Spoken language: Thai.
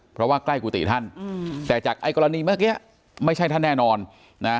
เพราะว่าใกล้กุฏิท่านอืมแต่จากไอ้กรณีเมื่อกี้ไม่ใช่ท่านแน่นอนนะ